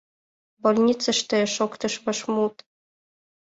— Больницыште! — шоктыш вашмут.